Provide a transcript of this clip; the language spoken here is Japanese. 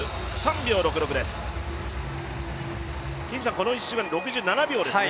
この１周は６７秒ですね。